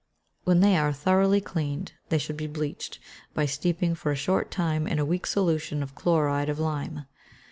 When they are thoroughly cleaned, they should be bleached, by steeping for a short time in a weak solution of chloride of lime.